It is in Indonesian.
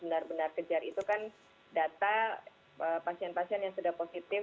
yang kita harus benar benar kejar itu kan data pasien pasien yang sudah positif